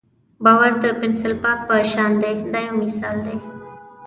باور د پنسل پاک په شان دی دا یو مثال دی.